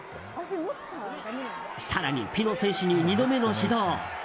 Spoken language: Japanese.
更にピノ選手に２度目の指導。